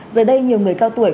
giờ đây nhiều người cao tuổi